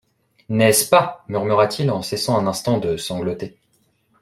N’est-ce pas ? murmura-t-il, en cessant un instant de sangloter.